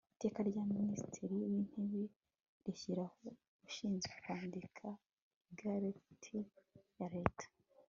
iteka rya minisitiri w intebe rishyiraho ushinzwe kwandika igazeti ya leta